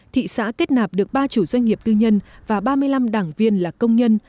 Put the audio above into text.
thị xã kết nạp được ba chủ doanh nghiệp tư nhân và ba mươi năm đảng viên là công nhân